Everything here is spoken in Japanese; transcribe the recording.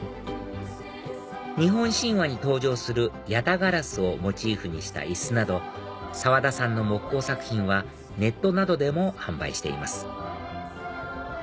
日本神話に登場する八咫烏をモチーフにした椅子など沢田さんの木工作品はネットなどでも販売しています